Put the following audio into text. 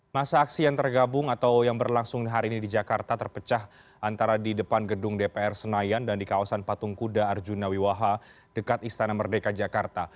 masa aksi yang tergabung atau yang berlangsung hari ini di jakarta terpecah antara di depan gedung dpr senayan dan di kawasan patung kuda arjuna wiwaha dekat istana merdeka jakarta